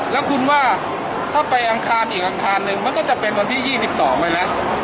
แล้วคุณว่าถ้าไปอังคารอีกอังคารนึงมาจะเป็นวันที่ยี่สิบสองไปแล้ว